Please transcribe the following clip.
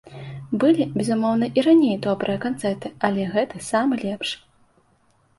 Былі, безумоўна, і раней добрыя канцэрты, але гэты самы лепшы.